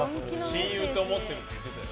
親友と思ってるって言ってたよ。